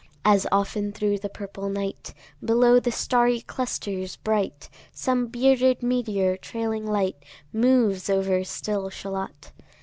As often thro' the purple night, Below the starry clusters bright, Some bearded meteor, trailing light, Moves over still Shalott.